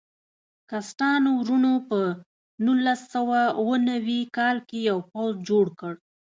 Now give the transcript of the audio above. کسټانو وروڼو په نولس سوه اوه نوي کال کې یو پوځ جوړ کړ.